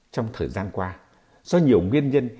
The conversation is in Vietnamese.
trong thời gian qua do nhiều nguyên nhân